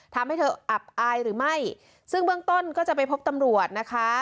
ทำให้เธออับอายหรือไม่ซึ่งเบื้องต้นก็จะไปพบตำรวจนะคะ